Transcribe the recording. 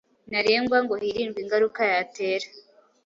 ntarengwa ngo hirindwe ingaruka yatera.